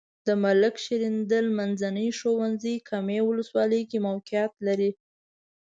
د ملک شیریندل منځنی ښونځی کامې ولسوالۍ کې موقعیت لري.